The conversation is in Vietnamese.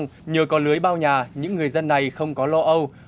nhưng trong các phần bao bọc những người dân này không có lo âu